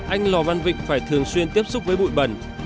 anh lò văn vịnh phải thường xuyên tiếp xúc với bụi bẩn